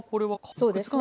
そうですね。